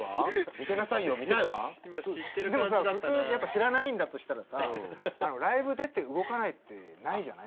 知らないんだとしたらさライブ出て動かないってないじゃない？